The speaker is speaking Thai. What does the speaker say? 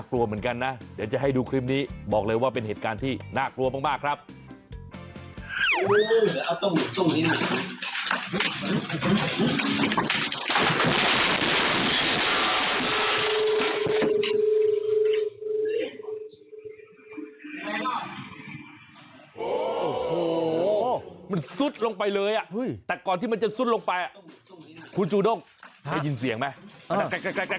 ขอปืนมาขอปืนมาขอปืนมาขอปืนมาขอปืนมาขอปืนมาขอปืนมาขอปืนมาขอปืนมาขอปืนมา